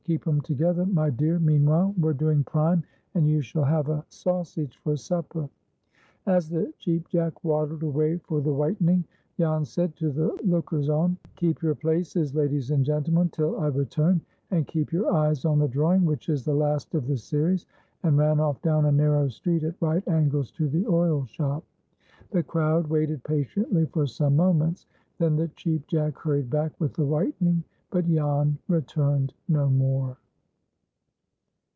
"Keep 'em together, my dear, meanwhile. We're doing prime, and you shall have a sausage for supper." As the Cheap Jack waddled away for the whitening, Jan said to the lockers on, "Keep your places, ladies and gentlemen, till I return, and keep your eyes on the drawing, which is the last of the series," and ran off down a narrow street, at right angles to the oil shop. The crowd waited patiently for some moments. Then the Cheap Jack hurried back with the whitening. But Jan returned no more.